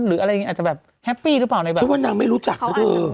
หรืออะไรอย่างงี้อาจจะแบบแฮปปี้หรือเปล่าในแบบเขาอาจจะงง